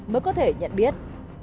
mới có thể nhận biết